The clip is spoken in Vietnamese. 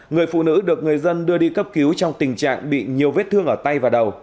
người phụ nữ được người dân đưa đi cấp cứu trong tình trạng bị nhiều vết thương ở tay và đầu